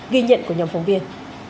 ghi nhận của nhóm phóng viên